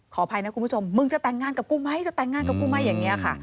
อภัยนะคุณผู้ชมมึงจะแต่งงานกับกูไหมจะแต่งงานกับกูไหมอย่างนี้ค่ะ